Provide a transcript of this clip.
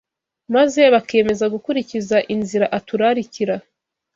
maze bakiyemeza gukurikiza inzira aturarikira,